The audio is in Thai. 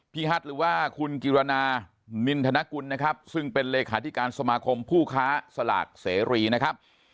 ฮัทหรือว่าคุณกิรณานินทนกุลนะครับซึ่งเป็นเลขาธิการสมาคมผู้ค้าสลากเสรีนะครับ